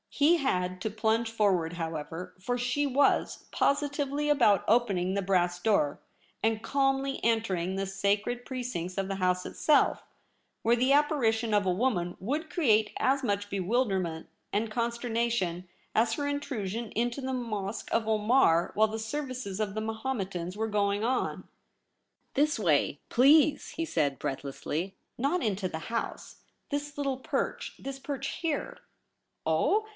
He had to plunge forward, however, for she was positively about opening the brass door, and calmly entering the sacred precincts of the House itself, where the apparition of a woman would create as much bewilderment and consternation as her Intrusion into the Mosque of Omar while the services of the Mahometans were going on. ' This way, please,' he said breathlessly ; 'not into the House. This little perch — this perch here.' ' Oh